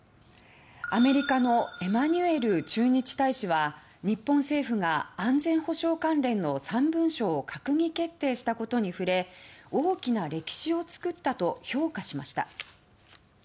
アメリカのエマニュエル駐日大使は日本政府が安全保障関連の３文書を閣議決定したことに触れ大きな歴史を作ったと評価しました。